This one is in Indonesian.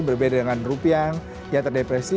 berbeda dengan rupiah yang terdepresi